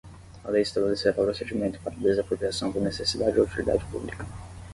a lei estabelecerá o procedimento para desapropriação por necessidade ou utilidade pública